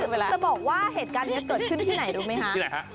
จะบอกว่าเหตุการณ์นี้เกิดขึ้นที่ไหนรู้ไหมคะที่ไหนฮะ